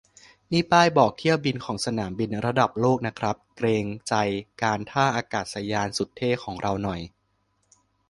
นี่ป้ายบอกเที่ยวบินของสนามบินระดับโลกนะครับ เกรงใจการท่าอากาศยานสุดเท่ของเราหน่อย